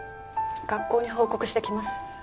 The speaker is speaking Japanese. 学校に報告してきます。